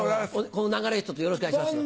この流れでひとつよろしくお願いしますよ。